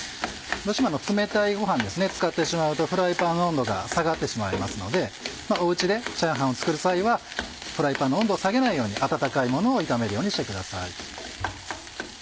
どうしても冷たいご飯使ってしまうとフライパンの温度が下がってしまいますのでお家でチャーハンを作る際はフライパンの温度を下げないように温かいものを炒めるようにしてください。